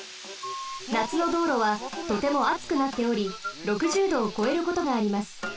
なつのどうろはとてもあつくなっており６０℃をこえることがあります。